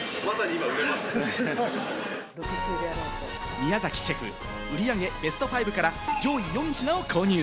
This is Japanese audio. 宮崎シェフ、売り上げベスト５から上位４品を購入。